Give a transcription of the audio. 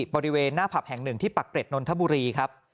บริเวณหน้าผับแห่งหนึ่งที่ปักเกร็ดนนทบุรีครับ